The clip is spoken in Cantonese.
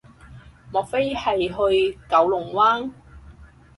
莫非係去九龍灣